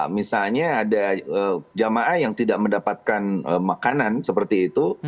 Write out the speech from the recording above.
misalnya ada jamaah yang tidak mendapatkan makanan seperti itu